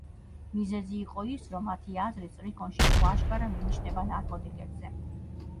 მიზეზი იყო ის, რომ მათი აზრით, სტრიქონში იყო აშკარა მინიშნება ნარკოტიკებზე.